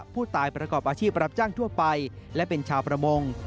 ประกอบอาชีพรับจ้างทั่วไปและเป็นชาวประมง